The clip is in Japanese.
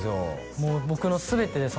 もう僕の全てです